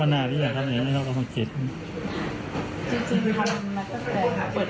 วางพื้นกับพื้น